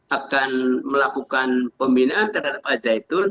akan melakukan pembinaan terhadap al zaitun